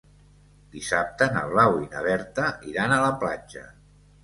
Dissabte na Blau i na Berta iran a la platja.